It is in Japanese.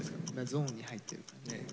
ゾーンに入ってるからね。